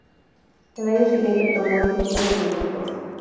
El año siguiente tomó el título de doctor.